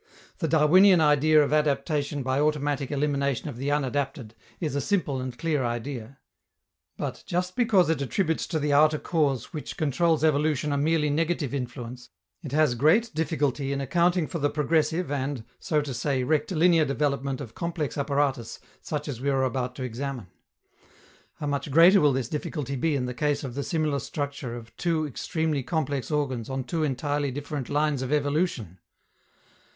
The Darwinian idea of adaptation by automatic elimination of the unadapted is a simple and clear idea. But, just because it attributes to the outer cause which controls evolution a merely negative influence, it has great difficulty in accounting for the progressive and, so to say, rectilinear development of complex apparatus such as we are about to examine. How much greater will this difficulty be in the case of the similar structure of two extremely complex organs on two entirely different lines of evolution!